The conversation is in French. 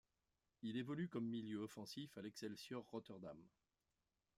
Il évolue comme milieu offensif à l'Excelsior Rotterdam.